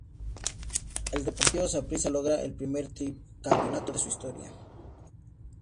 El Deportivo Saprissa logra el primer tricampeonato de su historia.